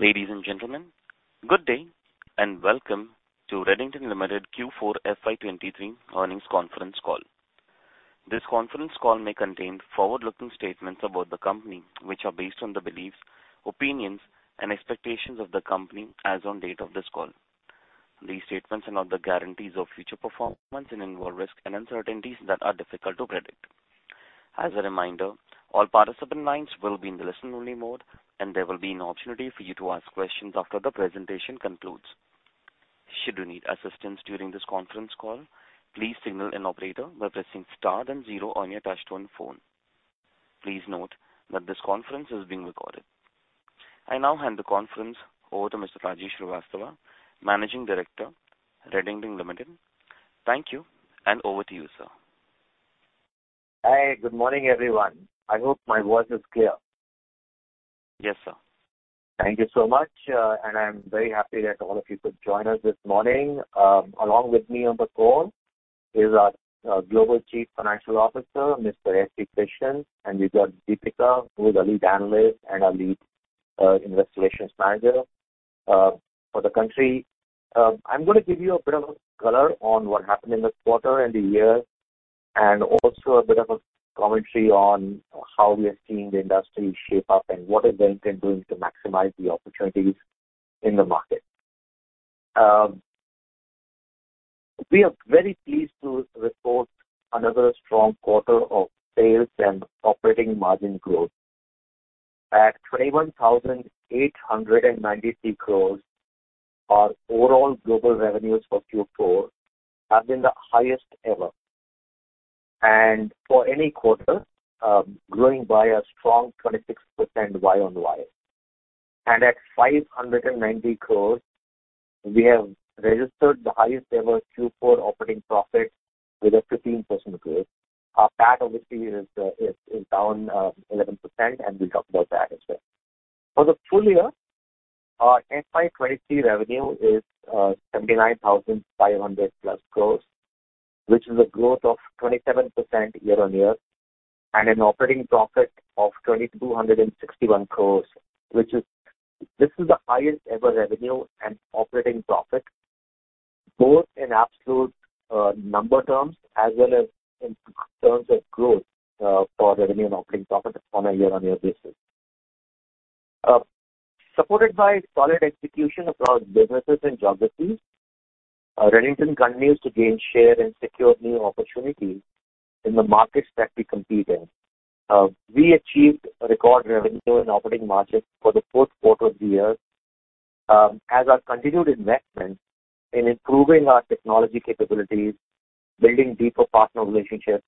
Ladies and gentlemen, good day, and welcome to Redington Limited Q4 FY23 earnings conference call. This conference call may contain forward-looking statements about the company which are based on the beliefs, opinions and expectations of the company as on date of this call. These statements are not the guarantees of future performance and involve risks and uncertainties that are difficult to predict. Hi. Good morning, everyone. I hope my voice is clear. Yes, sir. Thank you so much. I'm very happy that all of you could join us this morning. Along with me on the call is our Global Chief Financial Officer, S.V. Krishnan, and we've got Deepika, who is our Lead Analyst and our Lead Investor Relations Manager for the country. I'm gonna give you a bit of color on what happened in the quarter and the year, and also a bit of a commentary on how we are seeing the industry shape up and what is Redington doing to maximize the opportunities in the market. We are very pleased to report another strong quarter of sales and operating margin growth. At 21,893 crores, our overall global revenues for Q4 have been the highest ever, and for any quarter, growing by a strong 26% YoY. At 590 crores, we have registered the highest ever Q4 operating profit with a 15% growth. Our PAT obviously is down 11%, and we'll talk about that as well. For the full year, our FY23 revenue is 79,500+ crores, which is a growth of 27% year-on-year, and an operating profit of 2,261 crores. This is the highest ever revenue and operating profit, both in absolute number terms as well as in terms of growth for revenue and operating profit on a year-on-year basis. Supported by solid execution across businesses and geographies, Redington continues to gain share and secure new opportunities in the markets that we compete in. We achieved a record revenue and operating margin for the fourth quarter of the year, as our continued investment in improving our technology capabilities, building deeper partner relationships,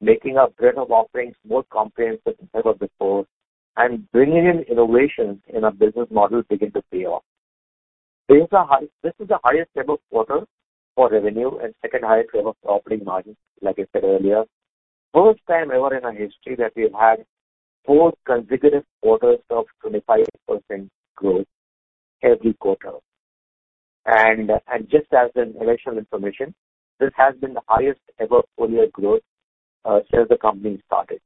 making our breadth of offerings more comprehensive than ever before, and bringing in innovations in our business model begin to pay off. This is the highest ever quarter for revenue and second highest ever operating margin, like I said earlier. First time ever in our history that we've had 4 consecutive quarters of 25% growth every quarter. Just as an additional information, this has been the highest ever full year growth since the company started.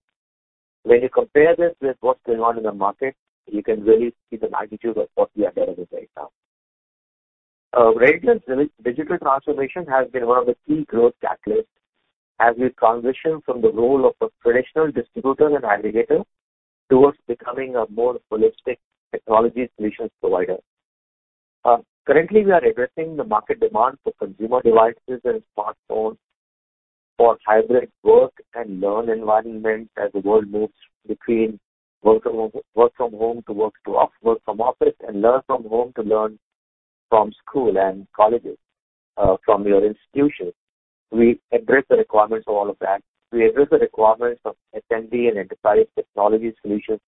When you compare this with what's going on in the market, you can really see the magnitude of what we are delivering right now. Redington's digital transformation has been one of the key growth catalysts as we transition from the role of a traditional distributor and aggregator towards becoming a more holistic technology solutions provider. Currently we are addressing the market demand for consumer devices and smartphones for hybrid work and learn environment as the world moves between work from home to work from office and learn from home to learn from school and colleges, from your institutions. We address the requirements of all of that. We address the requirements of SMB and enterprise technology solutions,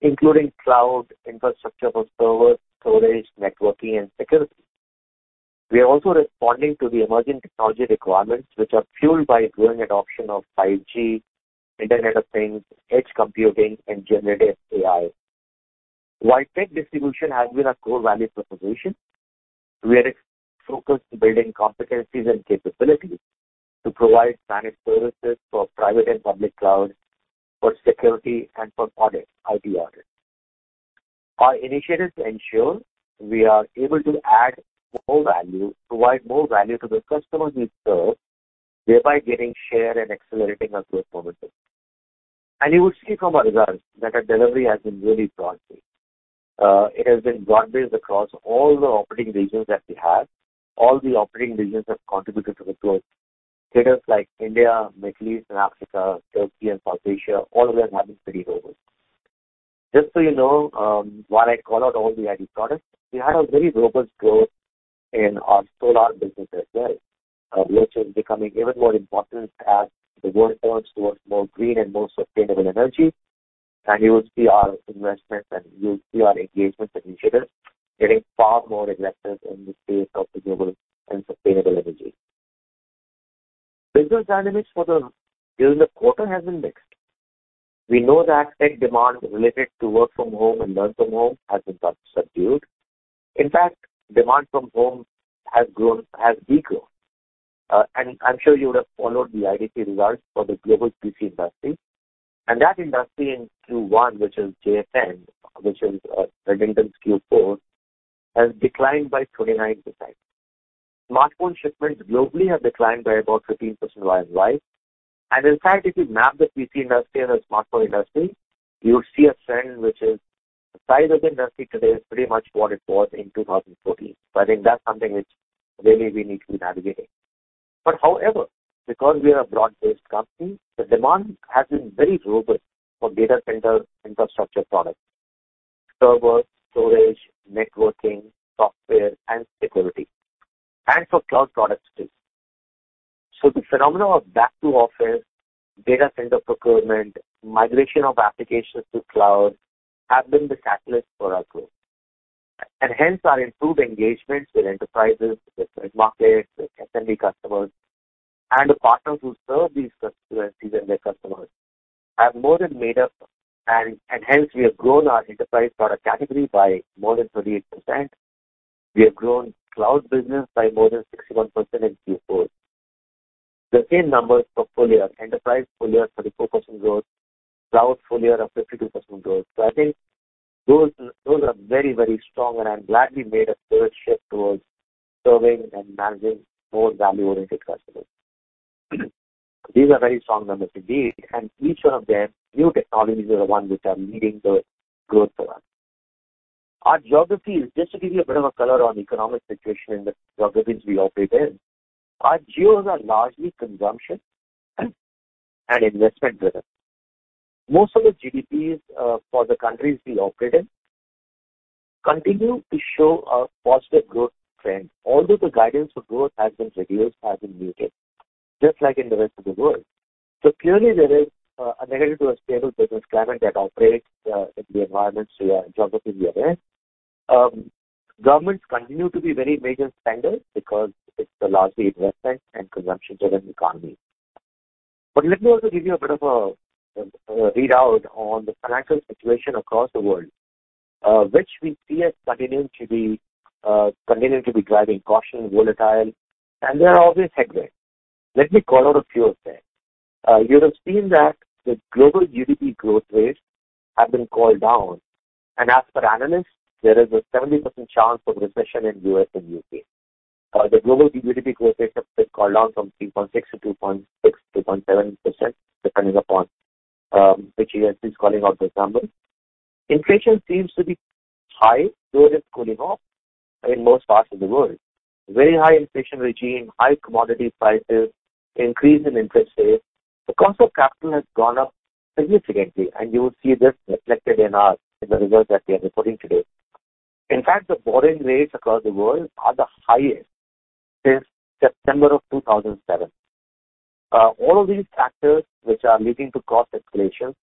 including cloud infrastructure for servers, storage, networking and security. We are also responding to the emerging technology requirements which are fueled by growing adoption of 5G, Internet of Things, edge computing and generative AI. While tech distribution has been our core value proposition, we are focused to building competencies and capabilities to provide managed services for private and public cloud, for security and for audit, IT audit. Our initiatives ensure we are able to add more value, provide more value to the customers we serve, thereby gaining share and accelerating our growth momentum. You will see from our results that our delivery has been really broad-based. It has been broad-based across all the operating regions that we have. All the operating regions have contributed to the growth. Figures like India, Middle East and Africa, Turkey and South Asia, all of them have been pretty robust. Just so you know, while I call out all the IT products, we had a very robust growth in our solar business as well, which is becoming even more important as the world turns towards more green and more sustainable energy. You will see our investments and you'll see our engagement initiatives getting far more aggressive in the space of renewable and sustainable energy. Business dynamics during the quarter has been mixed. We know that tech demand related to work from home and learn from home has been subdued. In fact, demand from home has degrown. I'm sure you would have followed the IDC results for the global PC industry. That industry in Q1, which is JFM, which is HCL's Q4, has declined by 29%. Smartphone shipments globally have declined by about 15% YoY. In fact, if you map the PC industry and the smartphone industry, you'll see a trend, which is the size of the industry today is pretty much what it was in 2014. I think that's something which really we need to be navigating. However, because we are a broad-based company, the demand has been very robust for data center infrastructure products, servers, storage, networking, software, and security, and for cloud products too. The phenomena of back to office, data center procurement, migration of applications to cloud have been the catalyst for our growth. Hence our improved engagements with enterprises, with large markets, with SMB customers and the partners who serve these and their customers have more than made up. Hence we have grown our enterprise product category by more than 38%. We have grown cloud business by more than 61% in Q4. The same numbers portfolio, enterprise portfolio, 34% growth, cloud portfolio, 52% growth. I think those are very, very strong, and I'm glad we made a clear shift towards serving and managing more value-oriented customers. These are very strong numbers indeed. Each one of their new technologies are the ones which are leading the growth for us. Our geographies. Just to give you a bit of a color on economic situation in the geographies we operate in, our geos are largely consumption and investment-driven. Most of the GDPs for the countries we operate in continue to show a positive growth trend although the guidance for growth has been reduced, has been muted, just like in the rest of the world. Clearly, there is a negative to a stable business climate that operates in the environments geographies we are in. Governments continue to be very major spenders because it's a largely investment and consumption-driven economy. Let me also give you a bit of a readout on the financial situation across the world, which we see as continuing to be driving caution, volatile, and there are obvious headwinds. Let me call out a few of them. You would have seen that the global GDP growth rates have been called down, and as per analysts, there is a 70% chance of recession in U.S. and U.K. The global GDP growth rates have been called down from 3.6% to 2.6%-2.7%, depending upon which year is calling out those numbers. Inflation seems to be high, though it is cooling off in most parts of the world. Very high inflation regime, high commodity prices, increase in interest rates. The cost of capital has gone up significantly, and you will see this reflected in the results that we are reporting today. In fact, the borrowing rates across the world are the highest since September of 2007. All of these factors which are leading to cost escalation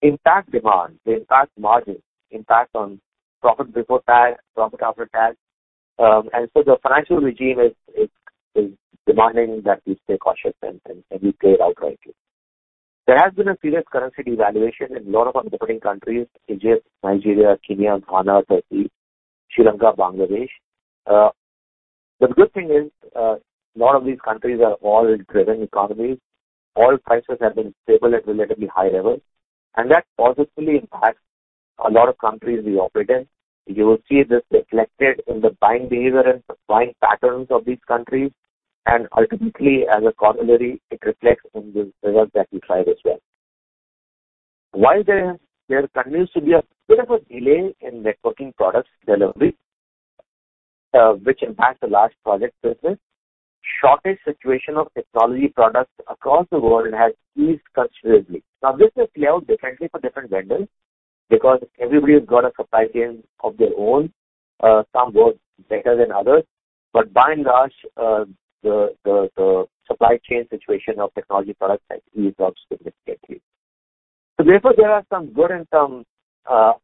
impact demand. They impact margins, impact on profit before tax, profit after tax. The financial regime is demanding that we stay cautious and we play it out rightly. There has been a serious currency devaluation in a lot of our operating countries: Egypt, Nigeria, Kenya, Ghana, Turkey, Sri Lanka, Bangladesh. The good thing is, a lot of these countries are oil-driven economies. Oil prices have been stable at relatively high levels, and that positively impacts a lot of countries we operate in. You will see this reflected in the buying behavior and buying patterns of these countries, and ultimately, as a corollary, it reflects in the results that we drive as well. While there continues to be a bit of a delay in networking products delivery, which impacts the large project business, shortage situation of technology products across the world has eased considerably. This will play out differently for different vendors because everybody has got a supply chain of their own. Some work better than others. By and large, the supply chain situation of technology products has eased up significantly. There are some good and some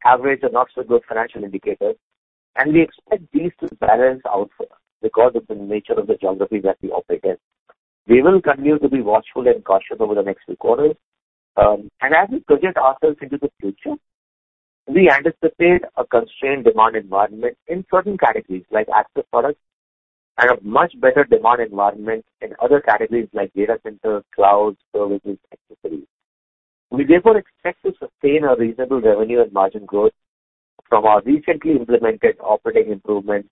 average and not so good financial indicators, and we expect these to balance out because of the nature of the geographies that we operate in. We will continue to be watchful and cautious over the next few quarters. As we project ourselves into the future, we anticipate a constrained demand environment in certain categories, like access products, and a much better demand environment in other categories like data centers, cloud services, etcetera. Therefore, we expect to sustain a reasonable revenue and margin growth from our recently implemented operating improvements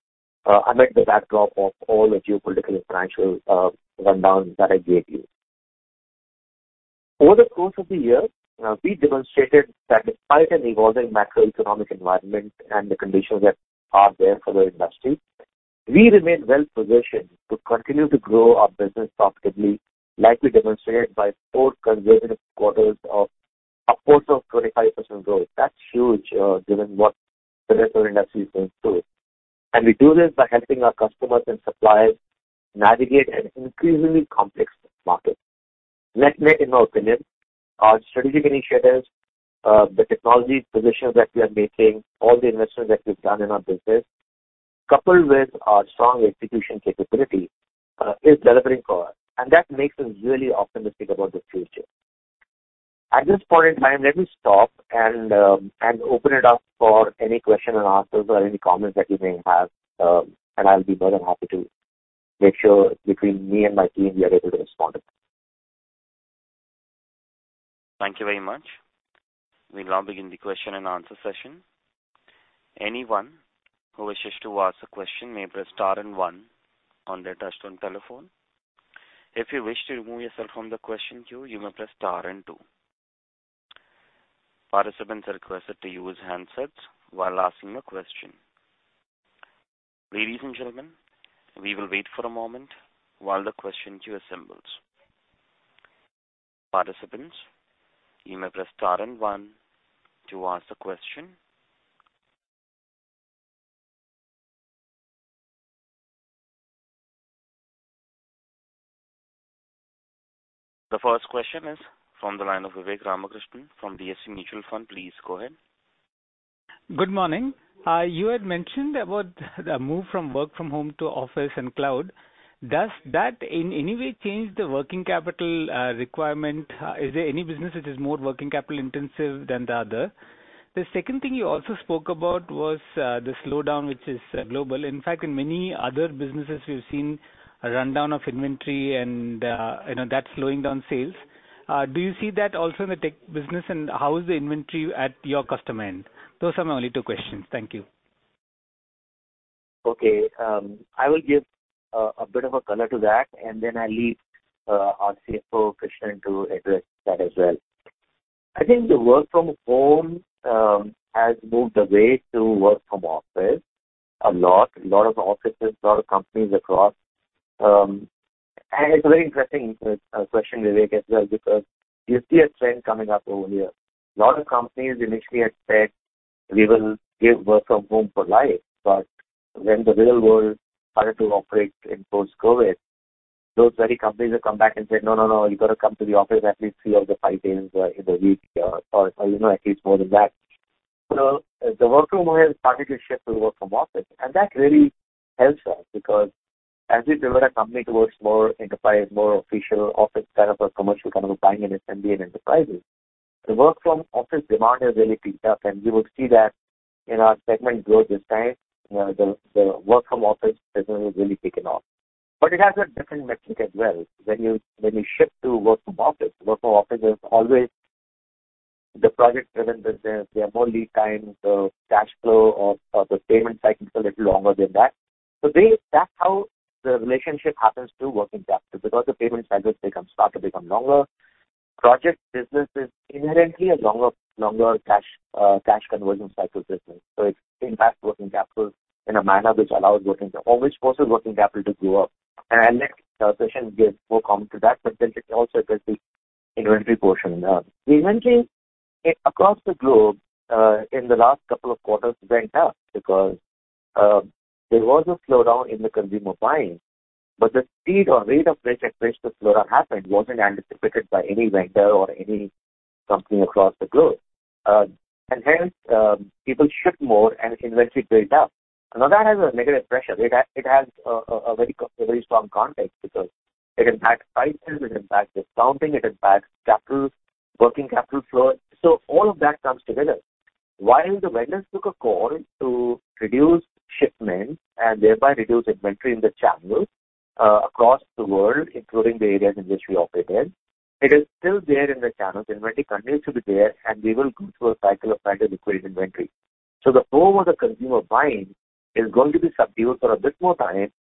amid the backdrop of all the geopolitical and financial rundowns that I gave you. Over the course of the year, we demonstrated that despite an evolving macroeconomic environment and the conditions that are there for the industry, we remain well-positioned to continue to grow our business profitably, like we demonstrated by four consecutive quarters of upwards of 25% growth. That's huge, given what the rest of our industry is going through. We do this by helping our customers and suppliers navigate an increasingly complex market. In our opinion, our strategic initiatives, the technology positions that we are making, all the investments that we've done in our business, coupled with our strong execution capability is delivering for us, and that makes us really optimistic about the future. At this point in time, let me stop and open it up for any question and answers or any comments that you may have, and I'll be more than happy to make sure between me and my team we are able to respond. Thank you very much. We now begin the question and answer session. Anyone who wishes to ask a question may press star and one on their touch-tone telephone. If you wish to remove yourself from the question queue, you may press star and two. Participants are requested to use handsets while asking a question. Ladies and gentlemen, we will wait for a moment while the question queue assembles. Participants, you may press star and one to ask the question. The first question is from the line of Vivek Ramakrishnan from DSP Mutual Fund. Please go ahead. Good morning. You had mentioned about the move from work from home to office and cloud. Does that in any way change the working capital requirement? Is there any business which is more working capital-intensive than the other? The second thing you also spoke about was the slowdown, which is global. In fact, in many other businesses, we've seen a rundown of inventory and, you know, that slowing down sales. Do you see that also in the tech business and how is the inventory at your customer end? Those are my only two questions. Thank you. Okay. I will give a bit of a color to that, and then I'll leave our CFO, Krishnan, to address that as well. I think the work from home has moved away to work from office a lot. A lot of offices, a lot of companies across. It's a very interesting question, Vivek, as well, because you see a trend coming up over here. A lot of companies initially had said, "We will give work from home for life." When the real world started to operate in post-COVID, those very companies have come back and said, "No, no, you gotta come to the office at least 3 of the 5 days in the week," or, you know, at least more than that. The work from home has partially shifted to work from office, and that really helps us because as we develop a company towards more enterprise, more official office kind of a commercial kind of a buying in SMB and enterprises, the work from office demand has really picked up. You would see that in our segment growth this time, the work from office business has really taken off. It has a different metric as well. When you shift to work from office, work from office is always the project-driven business. There are more lead times, so cash flow or the payment cycles are a little longer than that. That's how the relationship happens to working capital. The payment cycles start to become longer. Project business is inherently a longer cash conversion cycle business. It impacts working capital in a manner which allows or which forces working capital to go up. Let Krishnan give more comment to that, but let me also address the inventory portion. The inventory across the globe, in the last couple of quarters went up because there was a slowdown in the consumer buying, but the speed or rate at which the slowdown happened wasn't anticipated by any vendor or any company across the globe. Hence, people shipped more and inventory built up. Now, that has a negative pressure. It has a very strong context because it impacts prices, it impacts discounting, it impacts capital, working capital flow. All of that comes together. While the vendors took a call to reduce shipments and thereby reduce inventory in the channels, across the world, including the areas in which we operate in, it is still there in the channels. Inventory continues to be there. We will go through a cycle of trying to liquid inventory. The flow of the consumer buying is going to be subdued for a bit more time.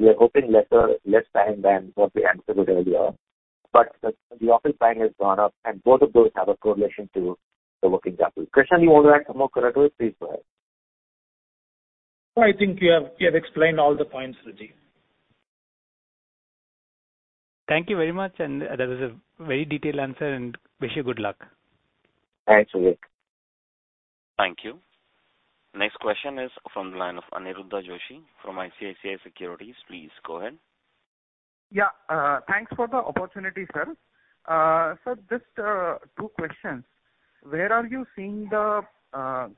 We are hoping less time than what we anticipated earlier. The, the office buying has gone up, and both of those have a correlation to the working capital. Krishnan, you want to add some more color to it? Please go ahead. No, I think you have explained all the points, Rajeev. Thank you very much. That was a very detailed answer, and wish you good luck. Thanks, Vivek. Thank you. Next question is from the line of Aniruddha Joshi from ICICI Securities. Please go ahead. Thanks for the opportunity, sir. Sir, just 2 questions. Where are you seeing the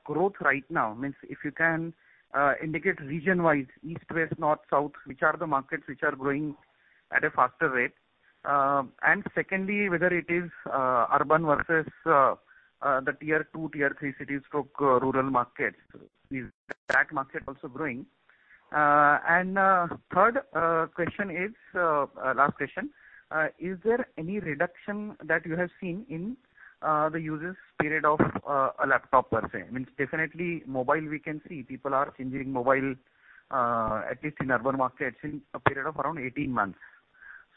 growth right now? Means if you can indicate region-wise, East, West, North, South, which are the markets which are growing at a faster rate? Secondly, whether it is urban versus the tier two, tier three cities to rural markets. Is that market also growing? Third question is, last question, is there any reduction that you have seen in the users' period of a laptop per se? Means definitely mobile we can see. People are changing mobile, at least in urban markets, in a period of around 18 months.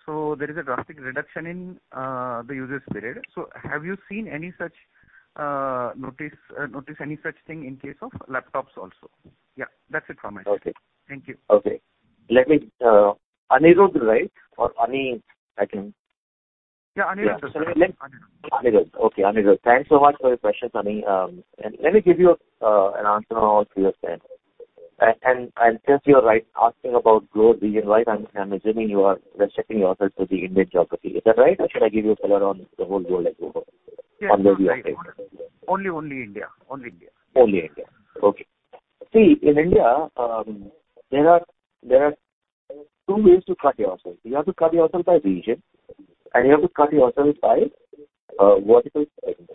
There is a drastic reduction in the users' period. Have you seen any such notice any such thing in case of laptops also? Yeah. That's it from my side. Okay. Thank you. Okay. Let me Aniruddha, right? Or Ani? Yeah, Aniruddha, sir. Yeah. Aniruddha. Okay, Aniruddha. Thanks so much for your questions, Ani. Let me give you an answer on all three of them. Since you are right, asking about growth region-wide, I'm assuming you are restricting yourself to the Indian geography. Is that right? Or should I give you a color on the whole world as Google? Yeah. That's right. Although we are Only India. Only India. Only India. Okay. See, in India, there are two ways to cut your costs. You have to cut your costs by region, and you have to cut your costs by vertical segment.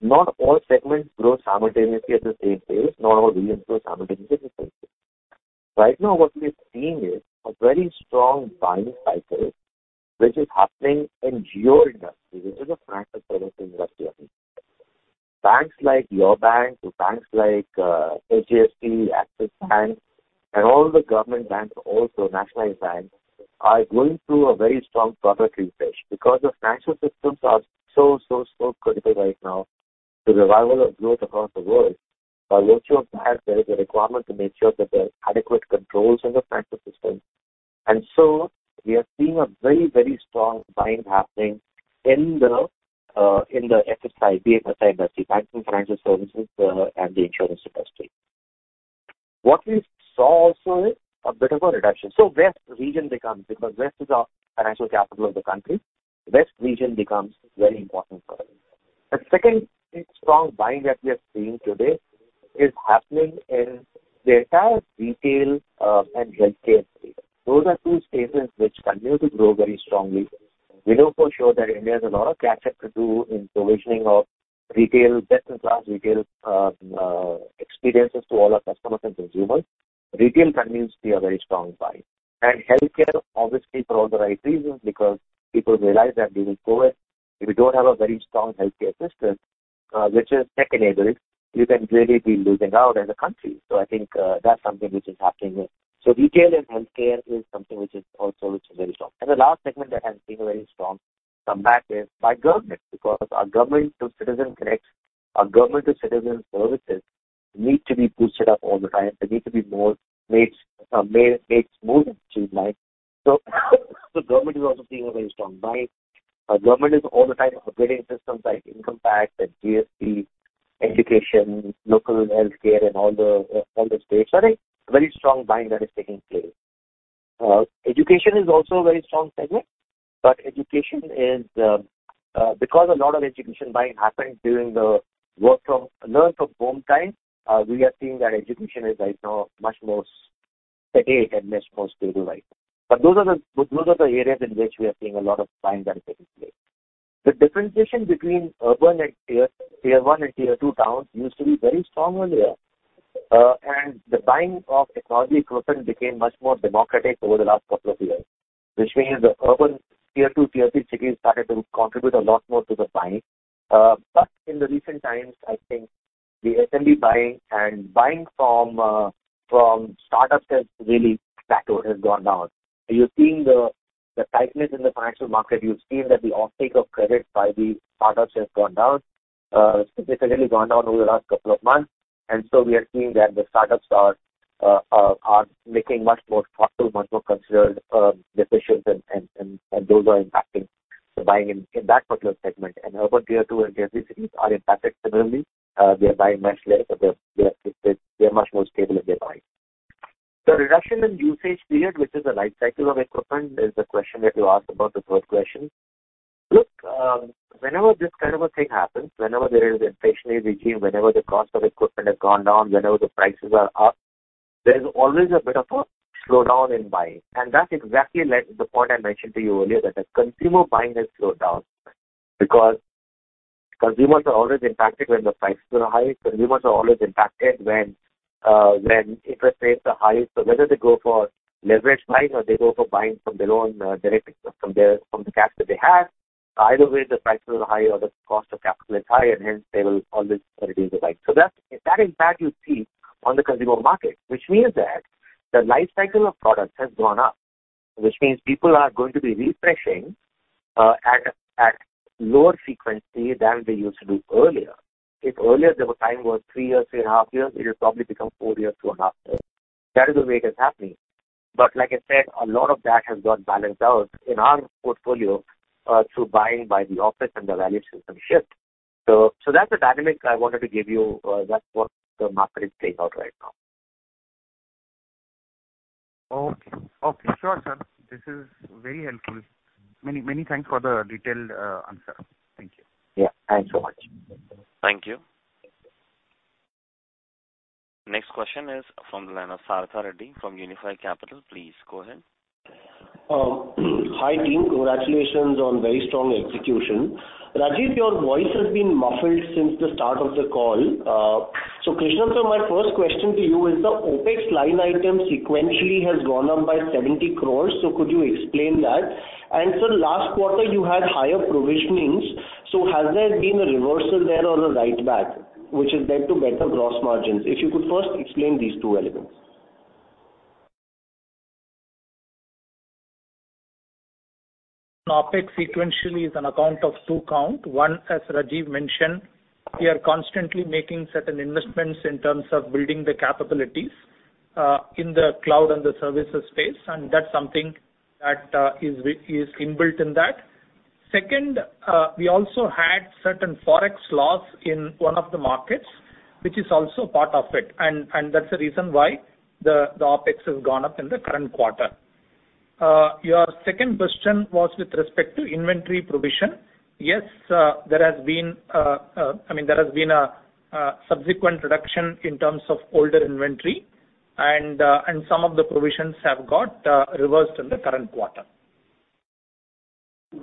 Not all segments grow simultaneously at the same pace. Not all regions grow simultaneously at the same pace. Right now, what we're seeing is a very strong buying cycle which is happening in FSI. This is a financial services industry. Banks like your bank to banks like HDFC, Axis Bank, and all the government banks, also nationalized banks, are going through a very strong product refresh because the financial systems are so, so critical right now to the revival of growth across the world. By virtue of that, there is a requirement to make sure that there are adequate controls in the financial system. We are seeing a very, very strong buying happening in the FSI, the FSI industry, banking, financial services, and the insurance industry. What we saw also is a bit of a reduction. Because west is our financial capital of the country, west region becomes very important for us. The second big, strong buying that we are seeing today is happening in data, retail, and healthcare space. Those are two spaces which continue to grow very strongly. We know for sure that India has a lot of catching to do in provisioning of retail best-in-class retail experiences to all our customers and consumers. Retail continues to be a very strong buy. Healthcare, obviously, for all the right reasons, because people realize that during COVID, if you don't have a very strong healthcare system, which is tech-enabling, you can really be losing out as a country. I think, that's something which is happening there. Retail and healthcare is something which is also very strong. The last segment that has been very strong, come back is by government. Our government to citizen services need to be boosted up all the time. They need to be more made smooth and streamlined. Government is also seeing a very strong buying. Government is all the time upgrading systems like Income Tax and GST, education, local healthcare in all the states are a very strong buying that is taking place. Education is also a very strong segment. Education is... Because a lot of education buying happened during the learn from home time, we are seeing that education is right now much more steady and much more stable right now. Those are the areas in which we are seeing a lot of buying that is taking place. The differentiation between urban and tier one and tier two towns used to be very strong earlier. The buying of technology equipment became much more democratic over the last couple of years. Which means the urban tier two, tier three cities started to contribute a lot more to the buying. In the recent times, I think the SMB buying and buying from startups has really plateaued, has gone down. You're seeing the tightness in the financial market. You've seen that the off-take of credits by the startups has gone down, significantly gone down over the last couple of months. We are seeing that the startups are making much more thoughtful, much more considered decisions. Those are impacting the buying in that particular segment. Urban tier 2 and tier 3 cities are impacted similarly. They are buying much less, but they're much more stable in their buying. The reduction in usage period, which is the life cycle of equipment, is the question that you asked about the first question. Look, whenever this kind of a thing happens, whenever there is inflationary regime, whenever the cost of equipment has gone down, whenever the prices are up, there's always a bit of a slowdown in buying. That's exactly like the point I mentioned to you earlier, that the consumer buying has slowed down. Because consumers are always impacted when the prices are high. Consumers are always impacted when interest rates are high. Whether they go for leveraged buying or they go for buying from their own, from their, from the cash that they have, either way, the prices are high or the cost of capital is high, and hence they will always reduce the buying. That impact you see on the consumer market. Which means that the life cycle of products has gone up. Which means people are going to be refreshing, at lower frequency than they used to do earlier. If earlier their time was 3 years, 3 and a half years, it'll probably become 4 years, 4 and a half years. That is the way it is happening. Like I said, a lot of that has got balanced out in our portfolio, through buying by the office and the value system shift. That's the dynamic I wanted to give you. That's what the market is playing out right now. Okay. Okay. Sure, sir. This is very helpful. Many, many thanks for the detailed answer. Thank you. Yeah. Thanks so much. Thank you. Next question is from the line of Sarath Reddy from Unifi Capital. Please go ahead. Hi, team. Congratulations on very strong execution. Rajeev, your voice has been muffled since the start of the call. Krishna, sir, my first question to you is the OpEx line item sequentially has gone up by 70 crores. Could you explain that? Sir, last quarter you had higher provisionings. Has there been a reversal there or a write back which has led to better gross margins? If you could first explain these two elements. OpEx sequentially is an account of two count. One, as Rajeev mentioned, we are constantly making certain investments in terms of building the capabilities in the cloud and the services space, that's something that is inbuilt in that. Second, we also had certain Forex loss in one of the markets, which is also part of it. That's the reason why the OpEx has gone up in the current quarter. Your second question was with respect to inventory provision. Yes, there has been a subsequent reduction in terms of older inventory and some of the provisions have got reversed in the current quarter.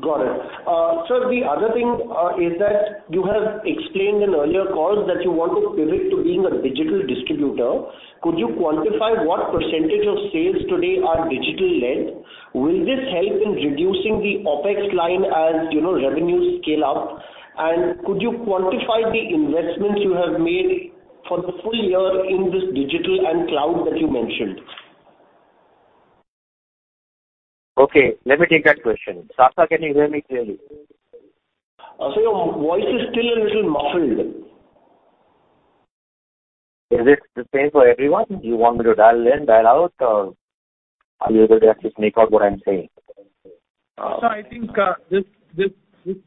Got it. The other thing, is that you have explained in earlier calls that you want to pivot to being a digital distributor. Could you quantify what % of sales today are digital-led? Will this help in reducing the OpEx line as, you know, revenues scale up? Could you quantify the investments you have made for the full year in this digital and cloud that you mentioned? Okay, let me take that question. Saritha, can you hear me clearly? Sir, your voice is still a little muffled. Is it the same for everyone? Do you want me to dial in, dial out, or are you able to actually make out what I'm saying? Sir, I think, this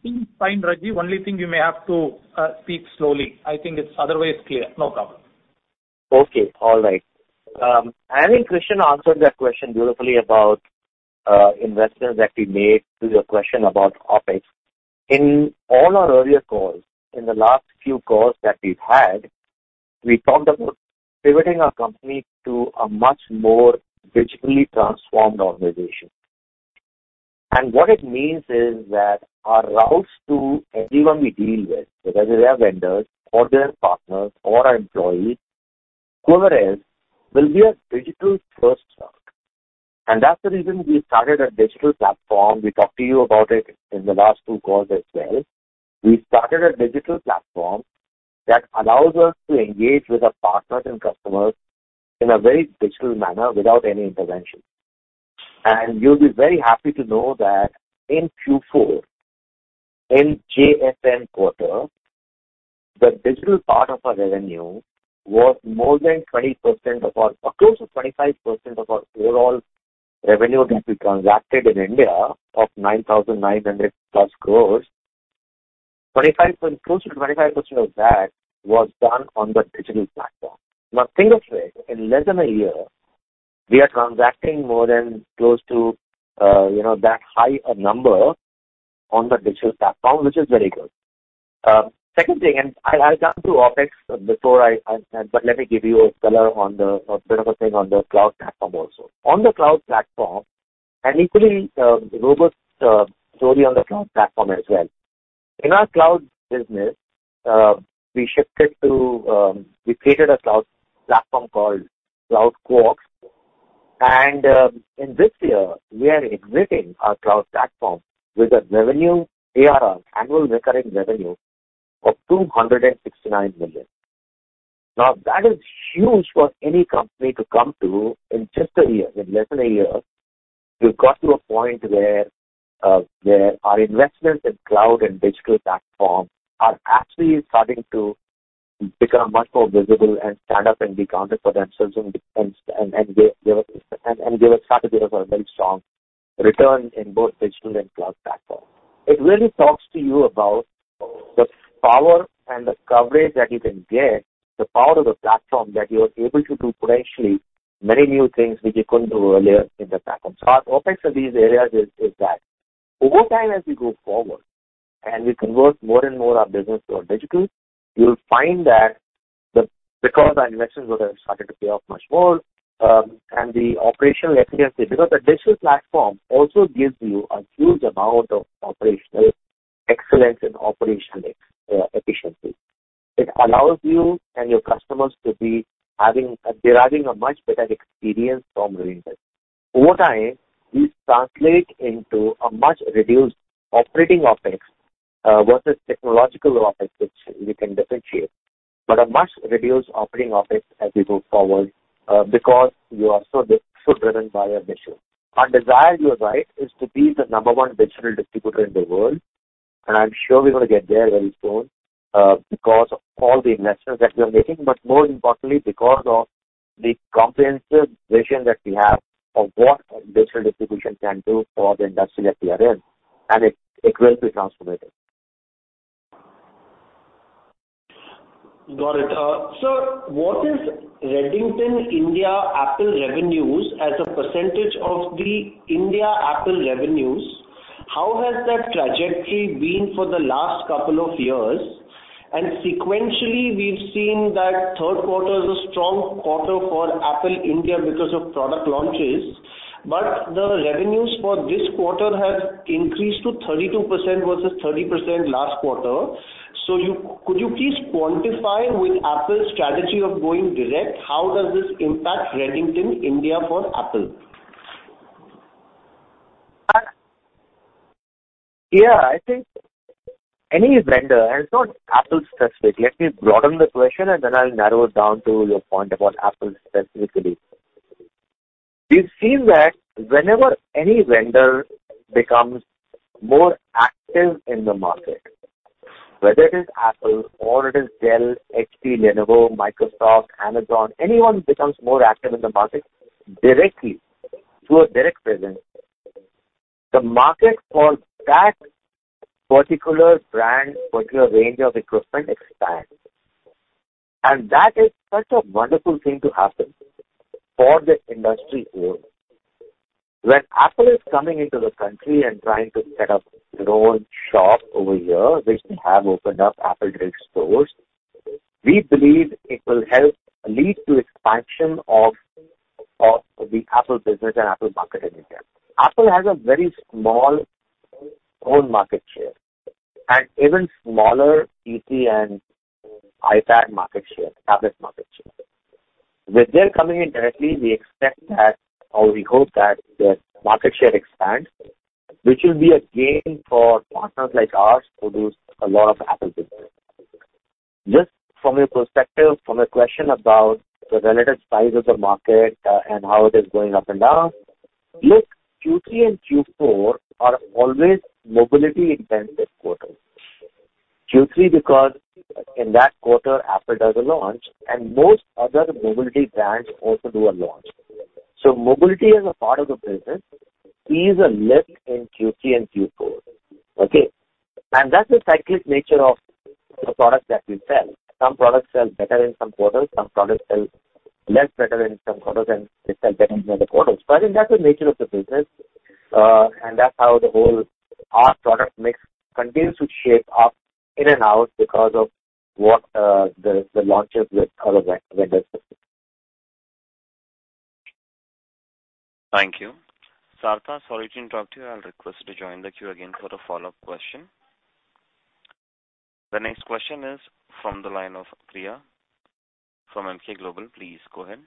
seems fine, Rajiv. Only thing you may have to speak slowly. I think it's otherwise clear. No problem. Okay. All right. I think Krishnan answered that question beautifully about investments that we made to your question about OpEx. In all our earlier calls, in the last few calls that we've had, we talked about pivoting our company to a much more digitally transformed organization. What it means is that our routes to everyone we deal with, whether they're vendors or they're partners or our employees, whoever it is, will be a digital-first route. That's the reason we started a digital platform. We talked to you about it in the last two calls as well. We started a digital platform that allows us to engage with our partners and customers in a very digital manner without any intervention. You'll be very happy to know that in Q4, in JFM quarter, the digital part of our revenue was more than 20% of our... or close to 25% of our overall revenue that we transacted in India of 9,900+ crores. Close to 25% of that was done on the digital platform. Now, think of it, in less than a year, we are transacting more than close to, you know, that high a number on the digital platform, which is very good. Second thing, I'll come to OpEx before let me give you a color on the, a bit of a thing on the cloud platform also. On the cloud platform, equally robust story on the cloud platform as well. In our cloud business, we shifted to. We created a cloud platform called CloudQuarks. In this year we are exiting our cloud platform with a revenue ARR, annual recurring revenue, of 269 million. That is huge for any company to come to in just a year. In less than a year, we've got to a point where our investments in cloud and digital platform are actually starting to become much more visible and stand up and be counted for themselves and they were starting to give us a very strong return in both digital and cloud platform. It really talks to you about the power and the coverage that you can get, the power of the platform that you are able to do potentially many new things which you couldn't do earlier in the platform. Our OpEx in these areas is that over time, as we go forward and we convert more and more our business to a digital, you'll find that the. Because our investments would have started to pay off much more, and the operational efficiency. Because the digital platform also gives you a huge amount of operational excellence and operational efficiency. It allows you and your customers to be having a deriving a much better experience from doing business. Over time, these translate into a much reduced operating OpEx versus technological OpEx, which we can differentiate. A much reduced operating OpEx as we move forward because you are so driven by our mission. Our desire, you're right, is to be the number one digital distributor in the world. I'm sure we're gonna get there very soon, because of all the investments that we are making. More importantly because of the comprehensive vision that we have of what digital distribution can do for the industry that we are in. It will be transformative. Got it. sir, what is Redington India Apple revenues as a percentage of the India Apple revenues? How has that trajectory been for the last couple of years? Sequentially, we've seen that third quarter is a strong quarter for Apple India because of product launches, but the revenues for this quarter have increased to 32% versus 30% last quarter. Could you please quantify with Apple's strategy of going direct, how does this impact Redington India for Apple? Yeah. I think any vendor, and it's not Apple specific. Let me broaden the question and then I'll narrow it down to your point about Apple specifically. We've seen that whenever any vendor becomes more active in the market, whether it is Apple or it is Dell, HP, Lenovo, Microsoft, Amazon, anyone becomes more active in the market directly through a direct presence. The market for that particular brand, particular range of equipment expands. That is such a wonderful thing to happen for the industry overall. When Apple is coming into the country and trying to set up their own shop over here, they have opened up Apple direct stores. We believe it will help lead to expansion of the Apple business and Apple market in India. Apple has a very small own market share and even smaller PC and iPad market share, tablet market share. With their coming in directly, we expect that or we hope that their market share expands, which will be a gain for partners like ours who do a lot of Apple business. Just from your perspective, from your question about the relative size of the market, and how it is going up and down. Look, Q3 and Q4 are always mobility-intensive quarters. Q3, because in that quarter, Apple does a launch and most other mobility brands also do a launch. Mobility as a part of the business sees a lift in Q3 and Q4. Okay? That's the cyclic nature of the products that we sell. Some products sell better in some quarters, some products sell less better in some quarters, and they sell better in other quarters. I think that's the nature of the business, and that's how the whole our product mix continues to shape up in and out because of what, the launches with other vendors do. Thank you. Saritha, sorry to interrupt you. I'll request you to join the queue again for the follow-up question. The next question is from the line of Priya from Emkay Global. Please go ahead.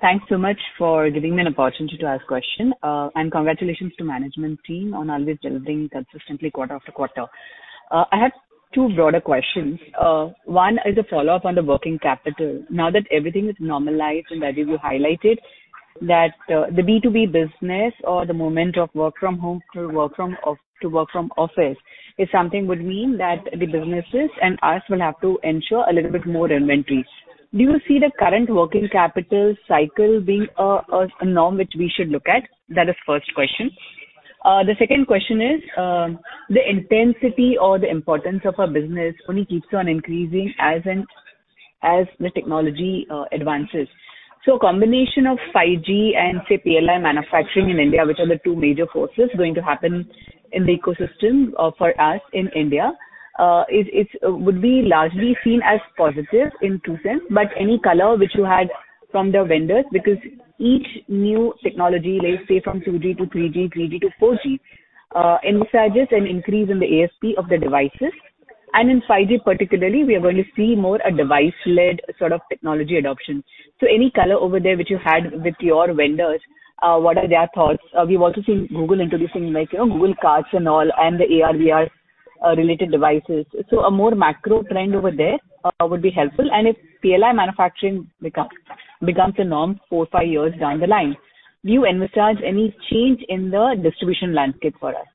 Thanks so much for giving me an opportunity to ask question. Congratulations to management team on always delivering consistently quarter after quarter. I have two broader questions. One is a follow-up on the working capital. Now that everything is normalized, and as you highlighted that, the B2B business or the movement of work from home to work from office is something would mean that the businesses and us will have to ensure a little bit more inventories. Do you see the current working capital cycle being a norm which we should look at? That is first question. The second question is, the intensity or the importance of a business only keeps on increasing as and as the technology advances. Combination of 5G and say PLI manufacturing in India, which are the 2 major forces going to happen in the ecosystem for us in India, would be largely seen as positive in true sense, but any color which you had from the vendors, because each new technology, let's say from 2G to 3G to 4G, envisages an increase in the ASP of the devices. In 5G particularly, we are going to see more a device-led sort of technology adoption. Any color over there which you had with your vendors, what are their thoughts? We've also seen Google introducing like, you know, Google Cardboard and all and the AR/VR related devices. A more macro trend over there, would be helpful. If PLI manufacturing becomes the norm four, five years down the line, do you envisage any change in the distribution landscape for us?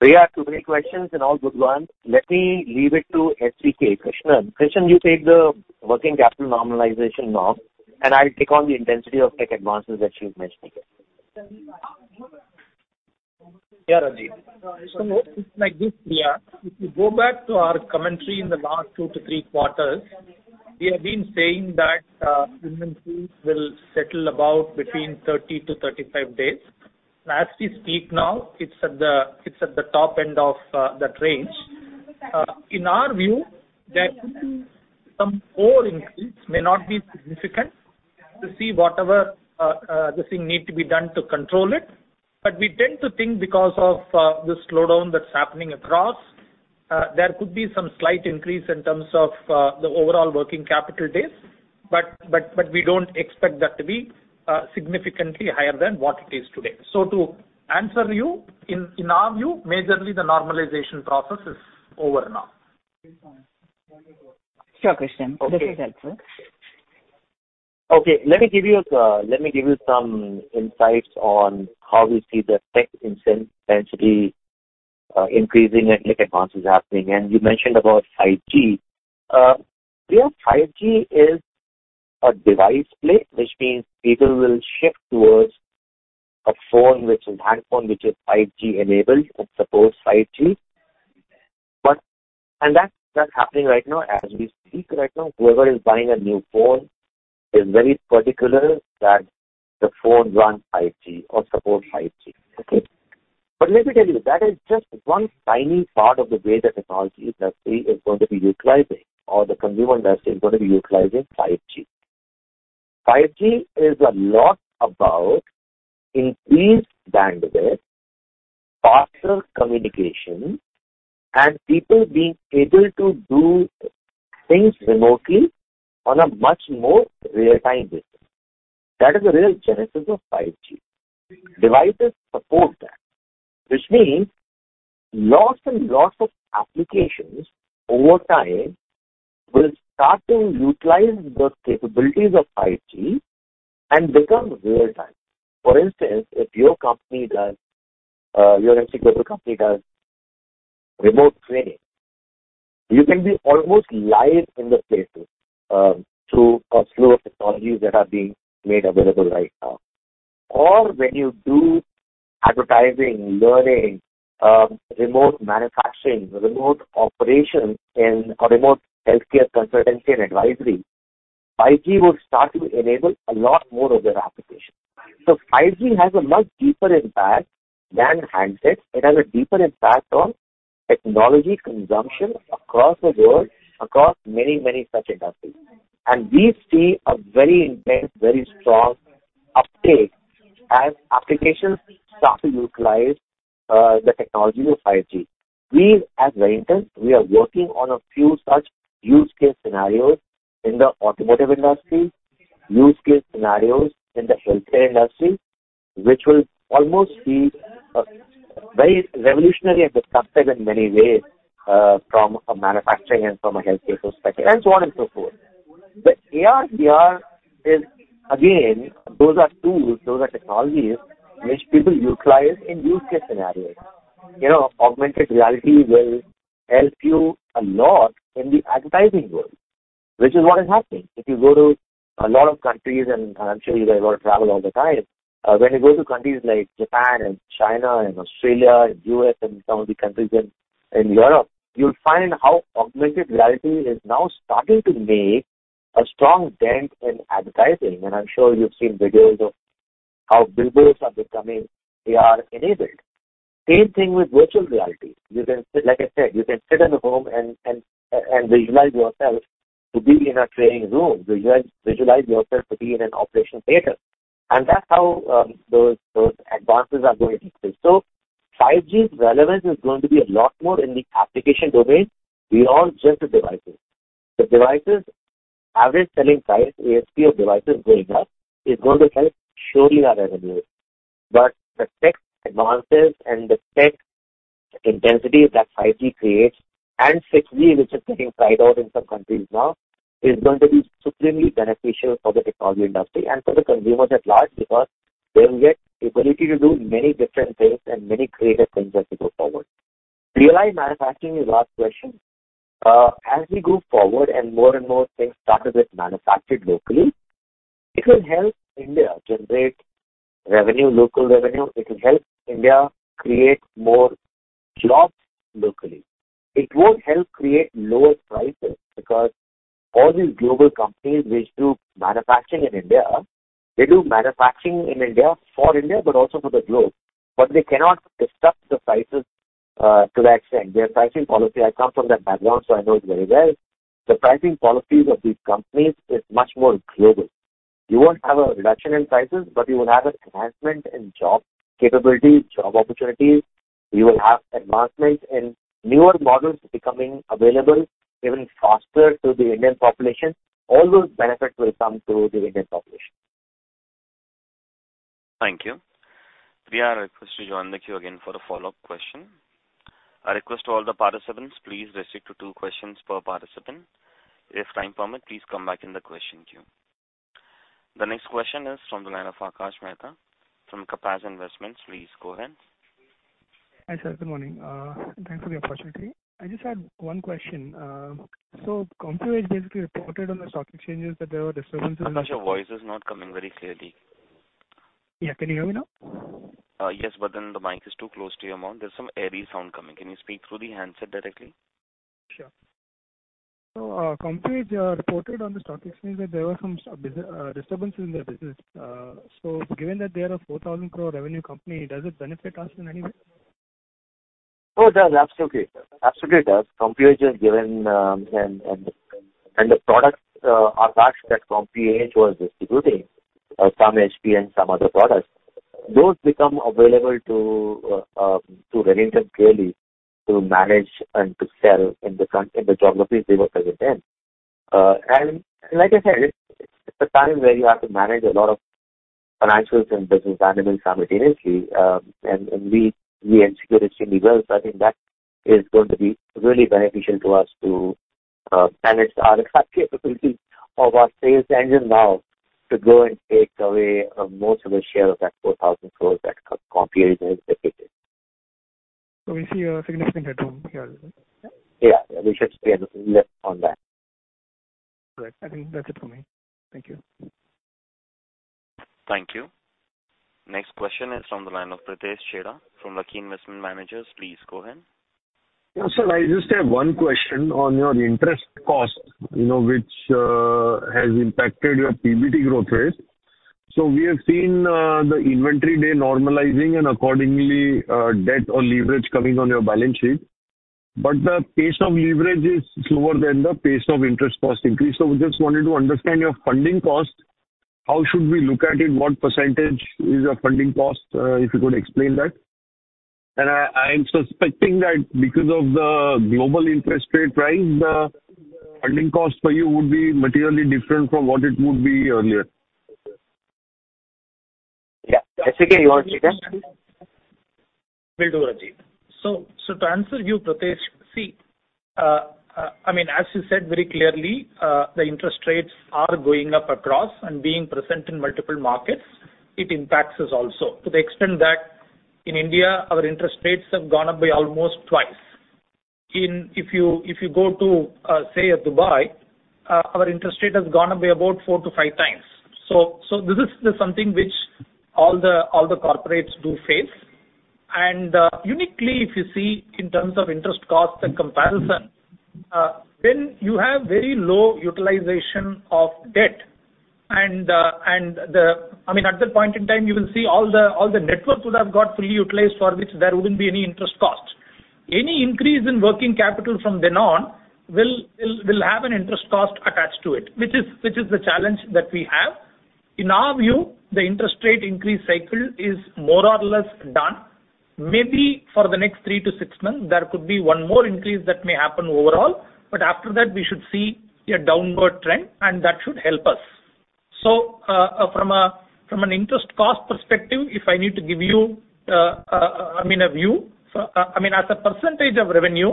Priya, two great questions and all good ones. Let me leave it to CK, Krishnan. Krishnan, you take the working capital normalization norm, and I'll take on the intensity of tech advances that you've mentioned here. Yeah, Rajeev. It's like this, Priya. If you go back to our commentary in the last 2 to 3 quarters, we have been saying that implement fees will settle about between 30-35 days. As we speak now, it's at the top end of that range. In our view, there could be some more increase, may not be significant, to see whatever the thing need to be done to control it. We tend to think because of the slowdown that's happening across, there could be some slight increase in terms of the overall working capital days, but we don't expect that to be significantly higher than what it is today. To answer you, in our view, majorly the normalization process is over now. Sure, Krishnan. Okay. This is helpful. Okay. Let me give you some insights on how we see the tech intensity increasing and tech advances happening. You mentioned about 5G. Priya, 5G is a device play, which means people will shift towards a phone which is a smartphone which is 5G enabled and supports 5G. That's happening right now. As we speak right now, whoever is buying a new phone is very particular that the phone run 5G or support 5G. Okay? Let me tell you, that is just one tiny part of the way the technology industry is going to be utilizing or the consumer industry is going to be utilizing 5G. 5G is a lot about increased bandwidth, faster communication and people being able to do things remotely on a much more real-time basis. That is the real genesis of 5G. Devices support that, which means lots and lots of applications over time will start to utilize the capabilities of 5G and become real-time. For instance, if your company does, your Emkay Global company does remote training, you can be almost live in the places through a slew of technologies that are being made available right now. Or when you do advertising, learning, remote manufacturing, remote operation in a remote healthcare consultancy and advisory, 5G will start to enable a lot more of their application. 5G has a much deeper impact than handsets. It has a deeper impact on technology consumption across the world, across many, many such industries. We see a very intense, very strong uptake as applications start to utilize the technology of 5G. We as Redington, we are working on a few such use case scenarios in the automotive industry, use case scenarios in the healthcare industry, which will almost be very revolutionary and disruptive in many ways, from a manufacturing and from a healthcare perspective, and so on and so forth. AR/VR is again, those are tools, those are technologies which people utilize in use case scenarios. You know, augmented reality will help you a lot in the advertising world, which is what is happening. If you go to a lot of countries and I'm sure you guys wanna travel all the time. When you go to countries like Japan and China and Australia and US and some of the countries in Europe, you'll find how augmented reality is now starting to make a strong dent in advertising. I'm sure you've seen videos of how billboards are becoming AR-enabled. Same thing with virtual reality. You can sit, like I said, you can sit in a home and visualize yourself to be in a training room. Visualize yourself to be in an operation theater. That's how those advances are going to take place. 5G's relevance is going to be a lot more in the application domain beyond just the devices. The devices' average selling price, ASP of devices going up, is going to help surely our revenue. The tech advances and the tech intensity that 5G creates and 6G, which is getting tried out in some countries now, is going to be supremely beneficial for the technology industry and for the consumers at large, because they will get the ability to do many different things and many creative things as we go forward. Realize manufacturing is last question. As we go forward and more and more things started get manufactured locally, it will help India generate revenue, local revenue. It will help India create more jobs locally. It won't help create lower prices because all these global companies which do manufacturing in India, they do manufacturing in India for India, but also for the globe. They cannot disrupt the prices to that extent. Their pricing policy, I come from that background, so I know it very well. The pricing policies of these companies is much more global. You won't have a reduction in prices, but you will have an enhancement in job capabilities, job opportunities. You will have advancements in newer models becoming available even faster to the Indian population. All those benefits will come to the Indian population. Thank you. Priya, I request you to join the queue again for a follow-up question. I request to all the participants, please restrict to two questions per participant. If time permit, please come back in the question queue. The next question is from the line of Akash Mehta from Kapasi Investments. Please go ahead. Hi, sir. Good morning. Thanks for the opportunity. I just had one question. Compuage basically reported on the stock exchanges that there were disturbances. Akash, your voice is not coming very clearly. Yeah. Can you hear me now? Yes, the mic is too close to your mouth. There's some airy sound coming. Can you speak through the handset directly? Sure. Compuage, they are reported on the stock exchanges that there were some disturbances in their business. Given that they are a 4,000 crore revenue company, does it benefit us in any way? Oh, it does. Absolutely. Absolutely, it does. Compuage has given. The products are products that Compuage was distributing, some HP and some other products. Those become available to Redington really to manage and to sell in the geographies they were present in. Like I said, it's a time where you have to manage a lot of financials and business dynamics simultaneously. We execute extremely well. I think that is going to be really beneficial to us to manage our exact capability of our sales engine now to go and take away most of the share of that 4,000 crores that Compuage has dedicated. We see a significant headroom here, right. Yeah. We should spend less on that. All right. I think that's it for me. Thank you. Thank you. Next question is from the line of Pritesh Chheda from Lucky Investment Managers. Please go ahead. Yeah, sir, I just have 1 question on your interest cost, you know, which has impacted your PBT growth rate. We have seen the inventory day normalizing and accordingly, debt or leverage coming on your balance sheet. The pace of leverage is slower than the pace of interest cost increase. We just wanted to understand your funding cost. How should we look at it? What percentage is your funding cost? If you could explain that. I'm suspecting that because of the global interest rate rise, the funding cost for you would be materially different from what it would be earlier. Yeah. SJK, you want to take that? Will do, Rajiv. To answer you, Pritesh, see, I mean, as you said very clearly, the interest rates are going up across and being present in multiple markets, it impacts us also. To the extent that in India, our interest rates have gone up by almost 2 times. If you go to, say, a Dubai, our interest rate has gone up by about 4-5 times. This is something which all the corporates do face. Uniquely, if you see in terms of interest cost and comparison, when you have very low utilization of debt and I mean, at that point in time, you will see all the networks would have got fully utilized for which there wouldn't be any interest costs. Any increase in working capital from then on will have an interest cost attached to it, which is the challenge that we have. In our view, the interest rate increase cycle is more or less done. Maybe for the next three to six months, there could be one more increase that may happen overall, but after that we should see a downward trend and that should help us. From an interest cost perspective, if I need to give you, I mean, a view. I mean, as a percentage of revenue,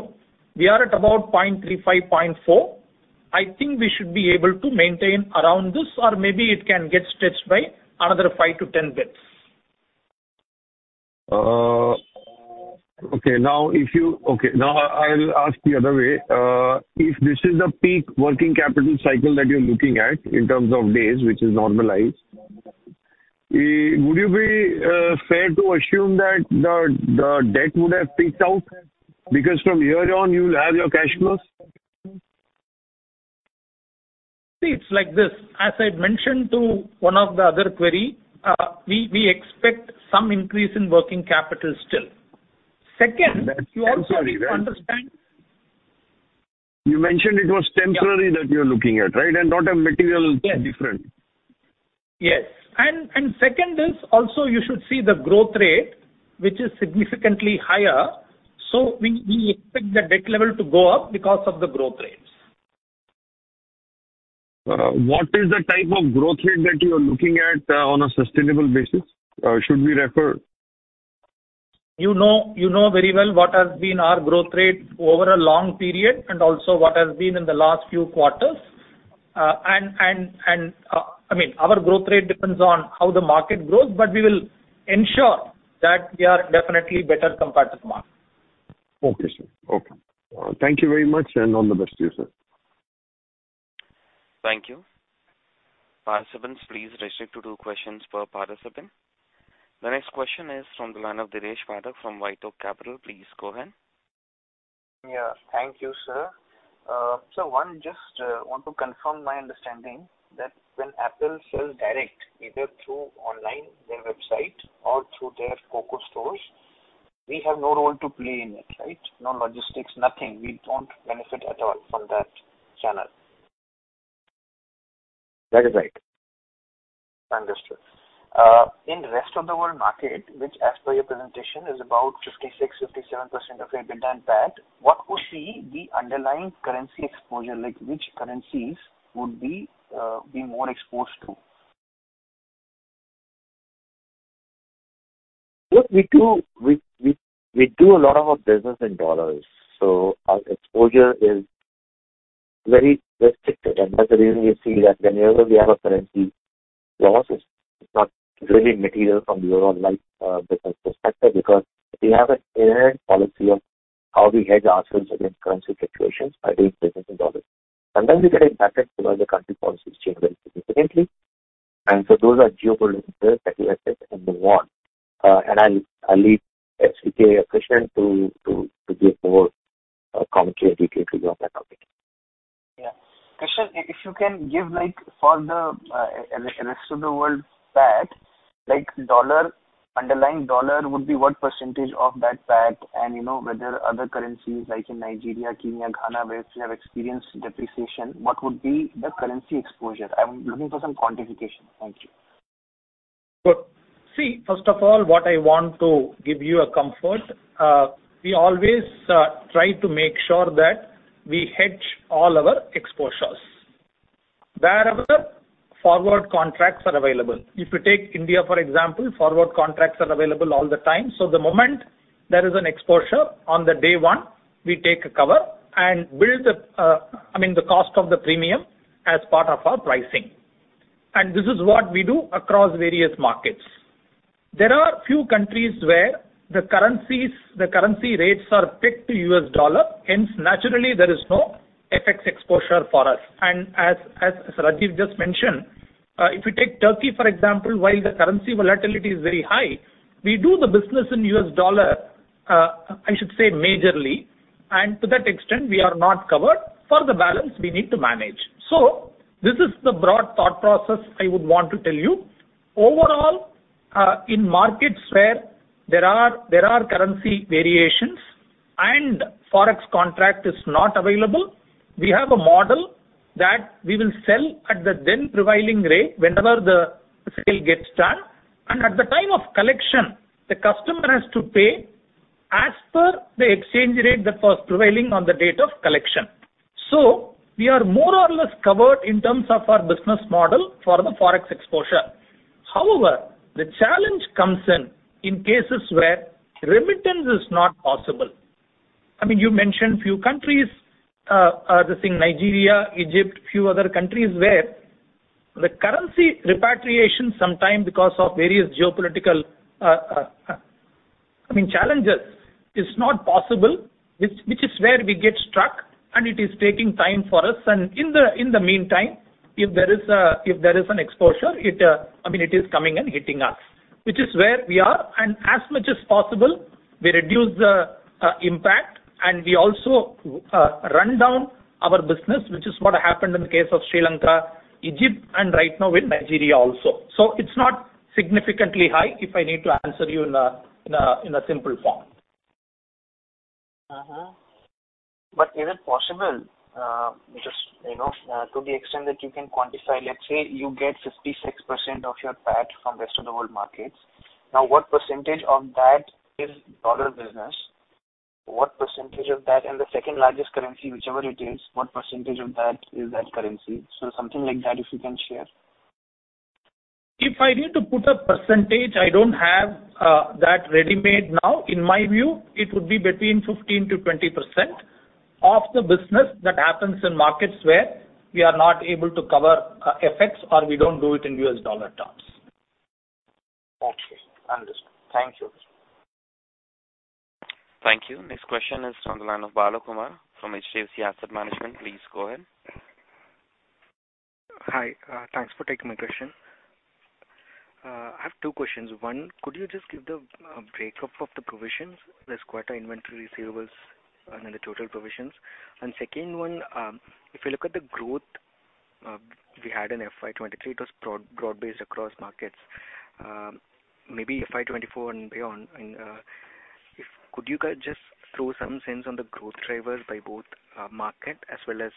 we are at about 0.35%, 0.4%. I think we should be able to maintain around this or maybe it can get stretched by another 5-10 basis points. Okay. Now I'll ask the other way. If this is the peak working capital cycle that you're looking at in terms of days which is normalized, would you be fair to assume that the debt would have peaked out? Because from here on, you will have your cash flows. See, it's like this. As I'd mentioned to one of the other query, we expect some increase in working capital still. That's also we understand. You also need to understand... You mentioned it was temporary- Yeah. -that you're looking at, right? not a material- Yes. -different. Yes. Second is also you should see the growth rate, which is significantly higher. We expect the debt level to go up because of the growth rates. What is the type of growth rate that you're looking at, on a sustainable basis? Should we refer? You know very well what has been our growth rate over a long period and also what has been in the last few quarters. I mean, our growth rate depends on how the market grows, but we will ensure that we are definitely better compared to the market. Okay, sir. Okay. Thank you very much, and all the best to you, sir. Thank you. Participants, please restrict to 2 questions per participant. The next question is from the line of Devesh Mehra from Ytok Capital. Please go ahead. Yeah. Thank you, sir. one, just, want to confirm my understanding that when Apple sells direct, either through online, their website, or through their COCO stores, we have no role to play in it, right? No logistics, nothing. We don't benefit at all from that channel. That is right. Understood. In rest of the world market, which as per your presentation is about 56%-57% of your EBITDA PAT, what would be the underlying currency exposure? Like which currencies would we be more exposed to? Look, we do, we do a lot of our business in dollars, so our exposure is very restricted. That's the reason you see that whenever we have a currency losses, it's not really material from year-on-like business perspective, because we have an inherent policy of how we hedge ourselves against currency fluctuations by doing business in dollars. Sometimes we get impacted because the country policies change very significantly. Those are geopolitical risks that we accept and move on. I'll leave S.V. Krishnan to give more commentary in detail if you want that topic. Yeah. Krishan, if you can give, like, for the rest of the world PAT, like dollar, underlying dollar would be what percentage of that PAT and, you know, whether other currencies like in Nigeria, Kenya, Ghana, where we have experienced depreciation, what would be the currency exposure? I'm looking for some quantification. Thank you. Sure. See, first of all, what I want to give you a comfort, we always try to make sure that we hedge all our exposures wherever forward contracts are available. If you take India, for example, forward contracts are available all the time. The moment there is an exposure on the day one, we take a cover and build the, I mean the cost of the premium as part of our pricing. This is what we do across various markets. There are few countries where the currencies, the currency rates are pegged to US dollar, hence naturally there is no FX exposure for us. As Rajeev just mentioned, if you take Turkey for example, while the currency volatility is very high, we do the business in US dollar, I should say majorly. To that extent, we are not covered. For the balance we need to manage. This is the broad thought process I would want to tell you. Overall, in markets where there are currency variations and Forex contract is not available, we have a model that we will sell at the then prevailing rate whenever the sale gets done. At the time of collection, the customer has to pay as per the exchange rate that was prevailing on the date of collection. We are more or less covered in terms of our business model for the Forex exposure. However, the challenge comes in cases where remittance is not possible. I mean, you mentioned few countries, let's say Nigeria, Egypt, few other countries where The currency repatriation sometime because of various geopolitical, I mean, challenges is not possible, which is where we get stuck and it is taking time for us. In the meantime, if there is an exposure, it, I mean it is coming and hitting us. Which is where we are, and as much as possible we reduce the impact and we also run down our business, which is what happened in the case of Sri Lanka, Egypt and right now with Nigeria also. It's not significantly high, if I need to answer you in a simple form. Uh-huh. Is it possible, just, you know, to the extent that you can quantify. Let's say you get 56% of your PAT from rest of the world markets. What percentage of that is USD business? What percentage of that in the second-largest currency, whichever it is, what percentage of that is that currency? Something like that, if you can share. If I need to put a percentage, I don't have that ready-made now. In my view, it would be between 15% to 20% of the business that happens in markets where we are not able to cover effects or we don't do it in US dollar terms. Okay. Understood. Thank you. Thank you. Next question is on the line of Bala Kumar from HDFC Asset Management. Please go ahead. Hi. Thanks for taking my question. I have two questions. One, could you just give the breakup of the provisions, there's quarter inventory receivables and then the total provisions. Second one, if you look at the growth, we had in FY23, it was broad-based across markets. Maybe FY24 and beyond, if could you just throw some sense on the growth drivers by both market as well as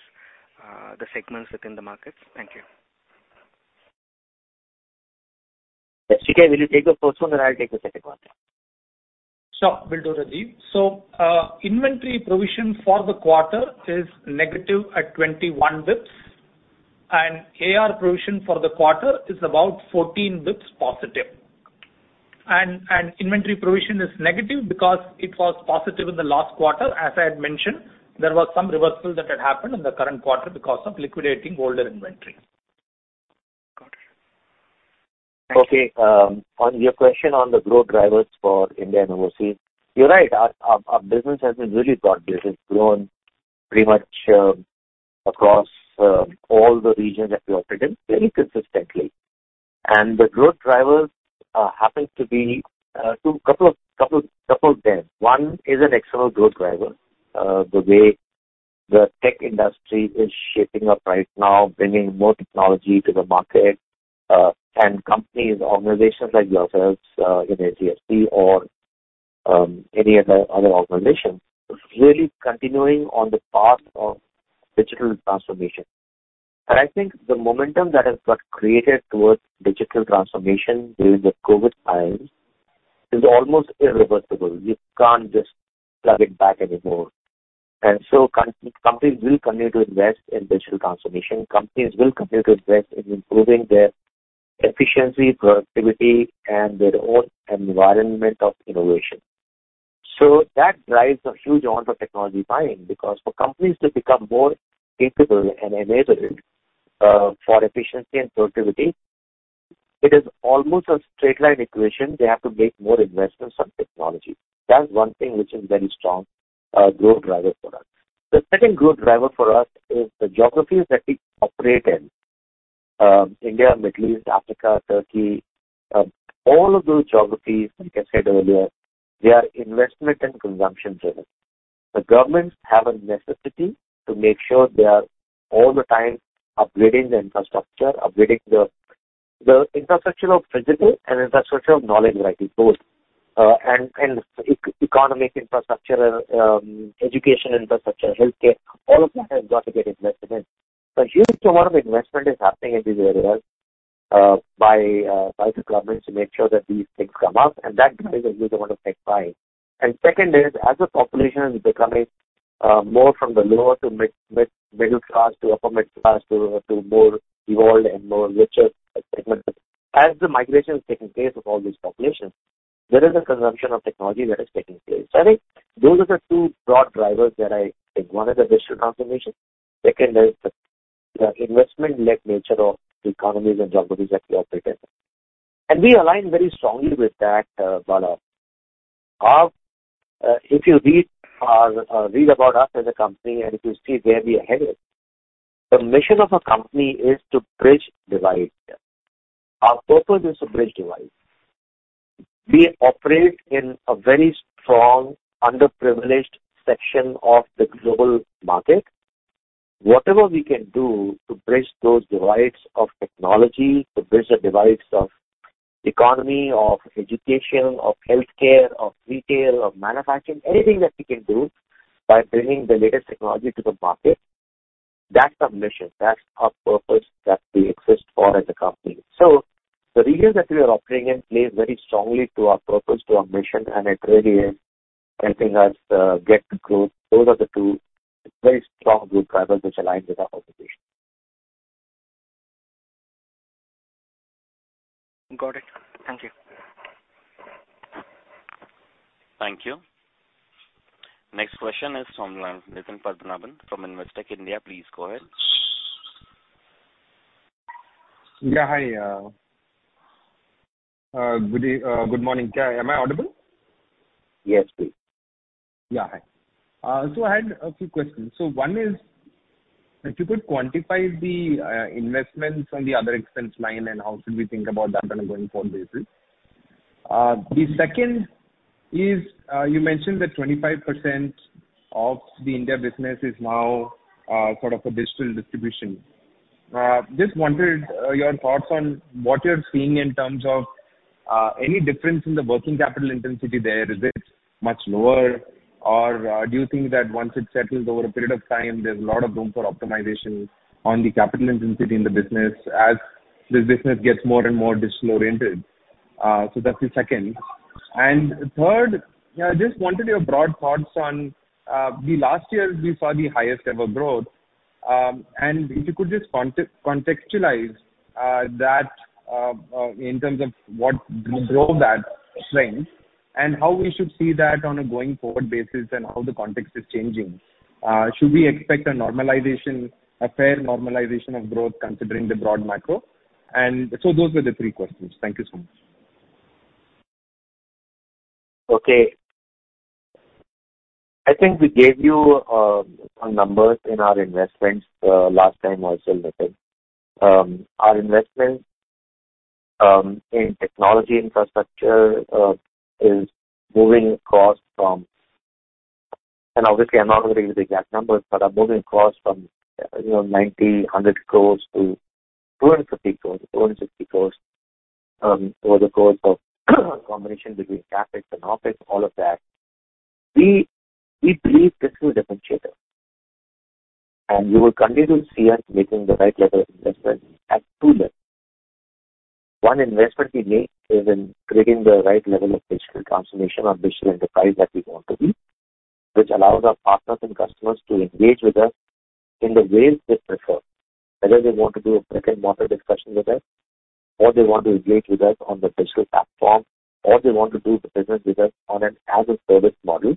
the segments within the markets? Thank you. SK, will you take the first one, then I'll take the second one. Sure, will do, Rajeev. Inventory provision for the quarter is negative at 21 basis points, and AR provision for the quarter is about 14 basis points positive. Inventory provision is negative because it was positive in the last quarter. As I had mentioned, there was some reversal that had happened in the current quarter because of liquidating older inventory. Got it. Thank you. Okay. On your question on the growth drivers for India and overseas. You're right. Our business has been really broad-based. It's grown pretty much across all the regions that we operate in very consistently. The growth drivers happen to be couple of them. One is an external growth driver. The way the tech industry is shaping up right now, bringing more technology to the market, and companies, organizations like yourselves, in HDFC or any other organization, really continuing on the path of digital transformation. I think the momentum that has got created towards digital transformation during the COVID times is almost irreversible. You can't just plug it back anymore. Companies will continue to invest in digital transformation. Companies will continue to invest in improving their efficiency, productivity and their own environment of innovation. That drives a huge amount of technology buying, because for companies to become more capable and enabled, for efficiency and productivity, it is almost a straight line equation. They have to make more investments on technology. That's one thing which is very strong, growth driver for us. The second growth driver for us is the geographies that we operate in. India, Middle East, Africa, Turkey, all of those geographies, like I said earlier, they are investment and consumption driven. The governments have a necessity to make sure they are all the time upgrading the infrastructure, upgrading the infrastructure of physical and infrastructure of knowledge, like both. Economic infrastructure, education infrastructure, healthcare, all of that has got to get investment. A huge amount of investment is happening in these areas, by the governments to make sure that these things come up and that drives a huge amount of tech buying. Second is, as the population is becoming, more from the lower to middle class to upper middle class to more evolved and more richer segments. As the migration is taking place of all these populations, there is a consumption of technology that is taking place. I think those are the two broad drivers that I think. One is the digital transformation. Second is the investment-led nature of the economies and geographies that we operate in. We align very strongly with that, Bala. Our, if you read our, read about us as a company and if you see where we are headed, the mission of our company is to bridge divides. Our purpose is to bridge divides. We operate in a very strong underprivileged section of the global market. Whatever we can do to bridge those divides of technology, to bridge the divides of economy, of education, of healthcare, of retail, of manufacturing, anything that we can do by bringing the latest technology to the market, that's our mission, that's our purpose that we exist for as a company. The regions that we are operating in plays very strongly to our purpose, to our mission, and it really is helping us get to grow. Those are the two very strong growth drivers which align with our proposition. Got it. Thank you. Thank you. Next question is from Nitin Padmanabhan from Investec India. Please go ahead. Yeah, hi. good day. good morning. Am I audible? Yes, please. Yeah. Hi. I had a few questions. One is if you could quantify the investments on the other expense line and how should we think about that on a going-forward basis. The second is, you mentioned that 25% of the India business is now sort of a digital distribution. Just wondered, your thoughts on what you're seeing in terms of any difference in the working capital intensity there. Is it much lower? Or, do you think that once it settles over a period of time, there's a lot of room for optimization on the capital intensity in the business as this business gets more and more digital oriented? That's the second. Third, yeah, just wanted your broad thoughts on the last year we saw the highest ever growth. If you could just contextualize that in terms of what drove that strength and how we should see that on a going-forward basis and how the context is changing. Should we expect a normalization, a fair normalization of growth considering the broad macro? Those were the three questions. Thank you so much. Okay. I think we gave you some numbers in our investments last time also Nitin. Our investment in technology infrastructure is moving costs. Obviously I'm not going to give you the exact numbers, but are moving costs from, you know, 90-100 crores to 250-260 crores over the course of combination between CapEx and OpEx, all of that. We believe this will differentiate us. You will continue to see us making the right level of investment at two levels. One investment we make is in creating the right level of digital transformation or digital enterprise that we want to be, which allows our partners and customers to engage with us in the ways they prefer. Whether they want to do a brick-and-mortar discussion with us or they want to engage with us on the digital platform, or they want to do the business with us on an as a service model.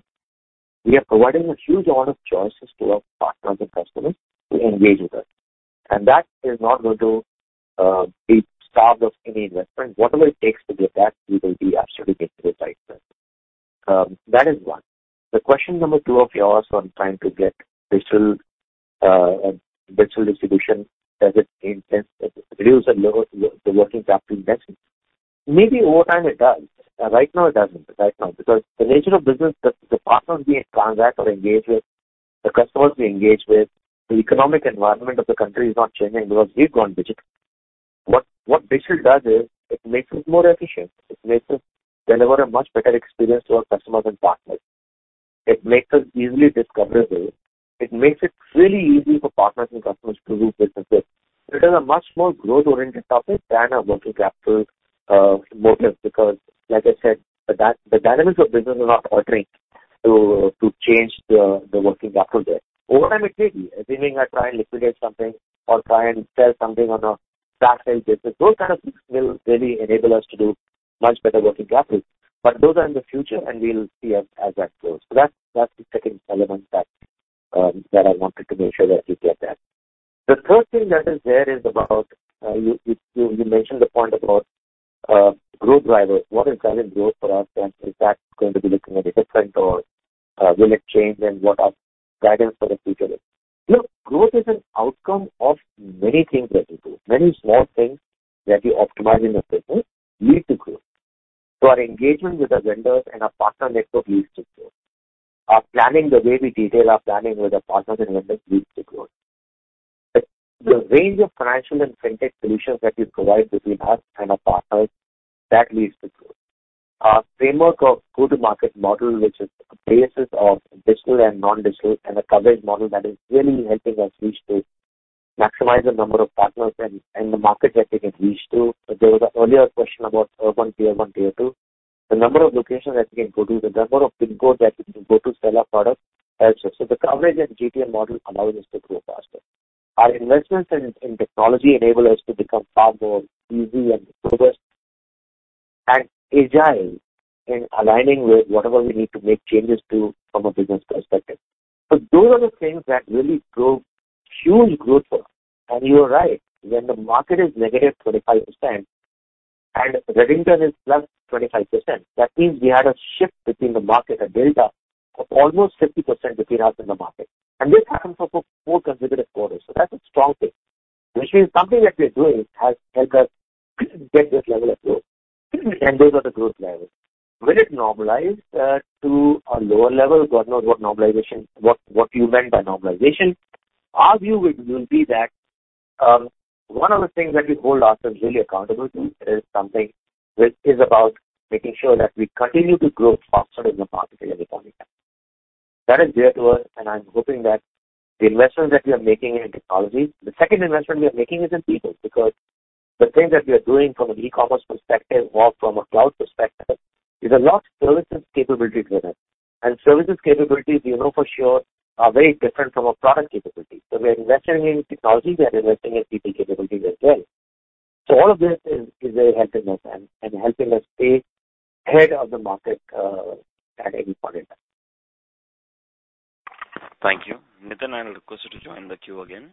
We are providing a huge lot of choices to our partners and customers to engage with us. That is not going to be starved of any investment. Whatever it takes to get that, we will be absolutely making the right investment. That is one. The question number 2 of yours on trying to get digital distribution, does it reduce the working capital investment? Maybe over time it does. Right now it doesn't. Right now. Because the nature of business, the partners we interact or engage with, the customers we engage with, the economic environment of the country is not changing because we've gone digital. What digital does is it makes us more efficient. It makes us deliver a much better experience to our customers and partners. It makes us easily discoverable. It makes it really easy for partners and customers to do business with. It is a much more growth-oriented topic than a working capital motive, because like I said, the dynamics of business are not altering to change the working capital there. Over time it may be. Assuming I try and liquidate something or try and sell something on a fast sale basis, those kind of things will really enable us to do much better working capital. Those are in the future and we'll see as that goes. That's the second element that I wanted to make sure that you get that. The third thing that is there is about you mentioned the point about growth drivers. What is driving growth for us and is that going to be looking any different or will it change and what are drivers for the future? Look, growth is an outcome of many things that we do. Many small things that we optimize in the business lead to growth. Our engagement with the vendors and our partner network leads to growth. Our planning, the way we detail our planning with our partners and vendors leads to growth. The range of financial and fintech solutions that we provide between us and our partners, that leads to growth. Our framework of go-to-market model, which is a basis of digital and non-digital and a coverage model that is really helping us reach to maximize the number of partners and the market that we can reach to. There was an earlier question about urban Tier 1, Tier 2. The number of locations that we can go to, the number of pin codes that we can go to sell our product helps us. The coverage and GTM model allowing us to grow faster. Our investments in technology enable us to become far more easy and robust and agile in aligning with whatever we need to make changes to from a business perspective. Those are the things that really drove huge growth for us. You are right, when the market is -25% and Redington is +25%, that means we had a shift between the market, a delta of almost 50% between us and the market. This happens for 4 consecutive quarters. That's a strong thing, which means something that we're doing has helped us get this level of growth. Those are the growth drivers. Will it normalize to a lower level? God knows what normalization, what you meant by normalization. Our view would be that one of the things that we hold ourselves really accountable to is something which is about making sure that we continue to grow faster than the market in every point in time. That is dear to us, and I'm hoping that the investments that we are making in technology. The second investment we are making is in people, because the things that we are doing from an e-commerce perspective or from a cloud perspective is a lot of services capability driven. Services capabilities we know for sure are very different from a product capability. We are investing in technology, we are investing in people capabilities as well. All of this is very helping us and helping us stay ahead of the market at any point in time. Thank you. Nitin, I will request you to join the queue again.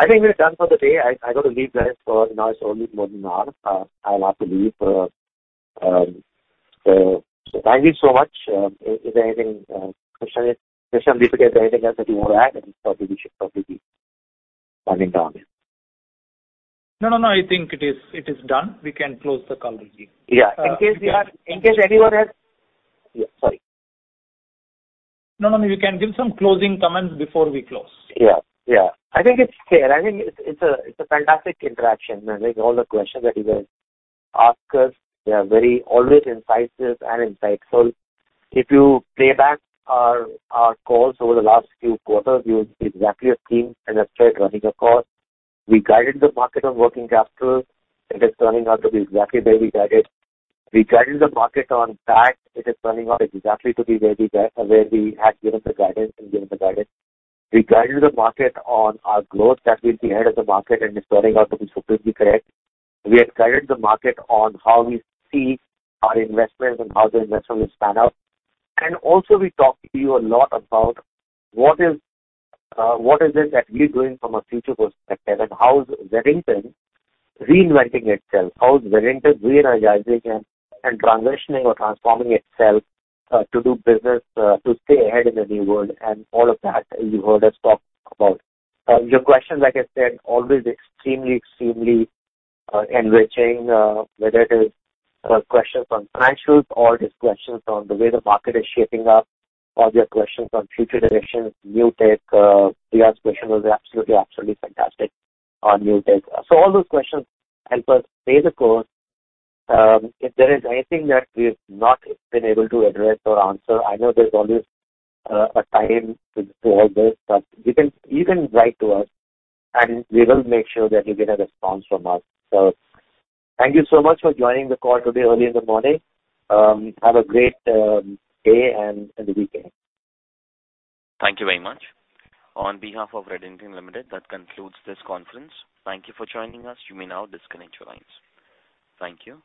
I think we're done for the day. I got to leave, guys, for now. It's already more than an hour. I'll have to leave. Thank you so much. If there's anything, Krishnan, Dilip, is there anything else that you wanna add? Probably we should probably be winding down here. No, no. I think it is done. We can close the call, Dilip. Yeah. In case anyone has... Yeah, sorry. No, no. You can give some closing comments before we close. Yeah. Yeah. I think it's fair. I think it's a fantastic interaction. I think all the questions that you guys ask us, they are very always incisive and insightful. If you play back our calls over the last few quarters, you'll exactly have seen an asteroid running a course. We guided the market on working capital. It is turning out to be exactly where we guided. We guided the market on tax. It is turning out exactly to be where we had given the guidance. We guided the market on our growth that we'll be ahead of the market. It's turning out to be completely correct. We had guided the market on how we see our investments and how the investments will pan out. We talked to you a lot about what is, what is it that we're doing from a future perspective and how is Redington reinventing itself. How is Redington re-energizing and transitioning or transforming itself to do business, to stay ahead in the new world, and all of that you heard us talk about. Your questions, like I said, always extremely enriching, whether it is questions on financials or it is questions on the way the market is shaping up or your questions on future directions, new tech. Priya's question was absolutely fantastic on new tech. All those questions help us stay the course. If there is anything that we've not been able to address or answer, I know there's always a time to hold this, but you can write to us, and we will make sure that you get a response from us. Thank you so much for joining the call today early in the morning. Have a great day and weekend. Thank you very much. On behalf of Redington Limited, that concludes this conference. Thank you for joining us. You may now disconnect your lines. Thank you.